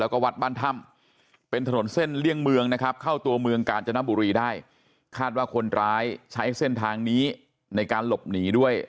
เครื่องเมืองนะครับเข้าตัวเมืองกาญจนบุรีได้คาดว่าคนร้ายใช้เส้นทางนี้ในการหลบหนีด้วย